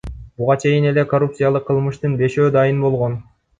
Буга чейин эле коррупциялык кылмыштын бешөө дайын болгон.